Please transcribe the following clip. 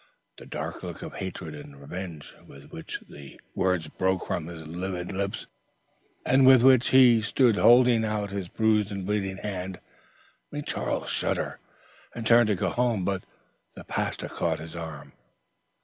The dark look of hatred and revenge with which the words broke from his livid lips, and with which he stood holding out his bruised and bleeding hand, made Charles shudder and turn to go home; but the pastor caught his arm.